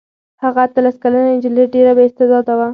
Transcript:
هغه اتلس کلنه نجلۍ ډېره بااستعداده وه.